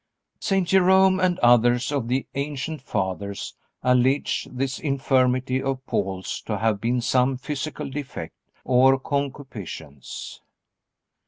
St. Jerome and others of the ancient fathers allege this infirmity of Paul's to have been some physical defect, or concupiscence.